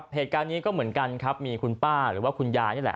เหตุการณ์นี้ก็เหมือนกันครับมีคุณป้าหรือว่าคุณยายนี่แหละ